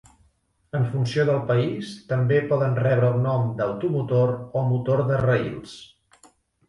En funció del país, també poden rebre el nom d'automotor o motor de raïls.